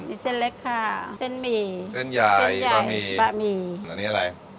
มีเส้นเล็กค่ะเส้นหมี่เส้นใหญ่บะหมี่บะหมี่อันนี้อะไร